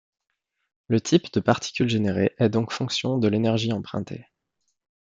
Le type de particule générée est donc fonction de l'énergie empruntée.